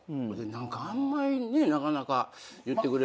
何かあんまりねなかなか言ってくれる人も。